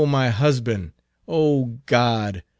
O my husband! O God!"